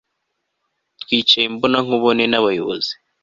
Twicaye imbonankubone nabayobozi